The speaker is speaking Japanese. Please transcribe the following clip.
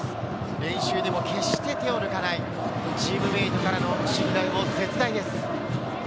練習でも決して手を抜かない、チームメートからの信頼も絶大です。